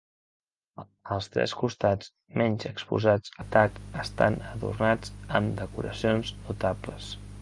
Els tres costats menys exposats a atacs estan adornats amb decoracions notables.